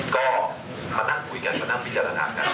ก็มานั่งคุยกันมานั่งพิจารณากัน